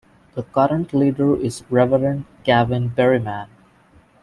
The current leader is Reverend Gavin Berriman.